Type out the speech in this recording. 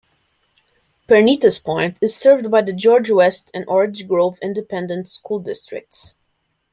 Pernitas Point is served by the George West and Orange Grove Independent School Districts.